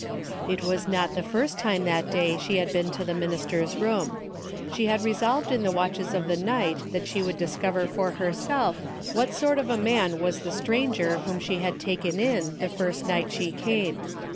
It was not the first time that day she had been to the minister's room. She had resolved in the watches of the night that she would dis cover for herself what sort of a man was the stranger whom she had taken in the first night she came.